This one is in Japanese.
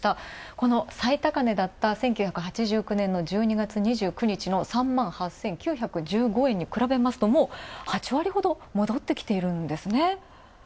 この最高値だった１９８９年の１２月２９日の３万８９１５円に比べますと、もう８割ほど戻ってきているんですよね。